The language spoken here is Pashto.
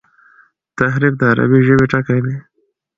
تحریف د عربي ژبي ټکی دﺉ.